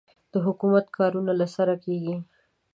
د حکومت کارونه له سره کېږي.